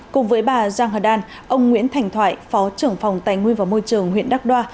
cùng với bà giang hờ đan ông nguyễn thành thoại phó trưởng phòng tài nguyên và môi trường huyện đắk đoa